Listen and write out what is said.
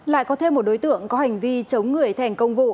lại có thêm một đối tượng có hành vi chống người thành công vụ